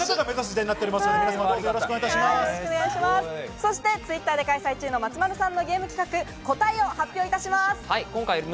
そしてＴｗｉｔｔｅｒで開催中、松丸さん考案のゲーム企画の答えを発表します。